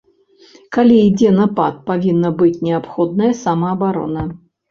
Калі ідзе напад, павінна быць неабходная самаабарона.